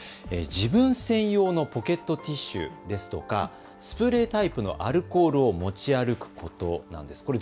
自分専用のポケットティッシュですとかスプレータイプのアルコールを持ち歩くことなんです。